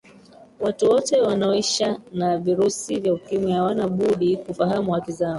watu wote wanaoisha na virusi vya ukimwi hawana budi kufahamu haki zao